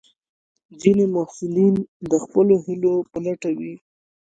ځینې محصلین د خپلو هیلو په لټه وي.